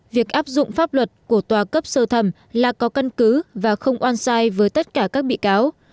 việc áp dụng pháp luật của tòa cấp sơ thẩm là có căn cứ và không oan sai với tất cả các bị cáo